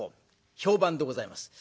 評判でございます。